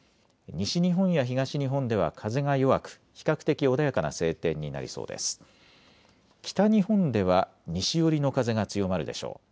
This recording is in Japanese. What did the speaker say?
北日本では西寄りの風が強まるでしょう。